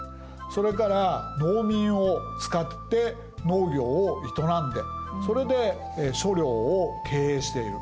それから農民を使って農業を営んでそれで所領を経営している。